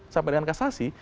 sampai dengan kasasi